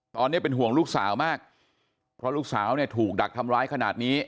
ตอนนี้เป็นห่วงลูกสาวมากเพราะลูกสาวเนี่ยถูกดักทำร้ายขนาดนี้